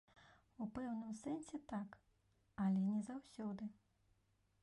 У пэўным сэнсе так, але не заўсёды.